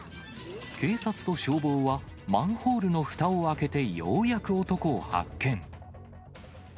警察と消防は、マンホールのふたを開けて、ようやく男を発見。